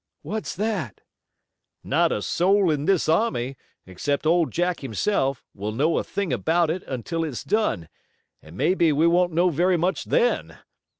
"What's that?" "Not a soul in all this army, except Old Jack himself, will know a thing about it, until it's done, and maybe we won't know very much then.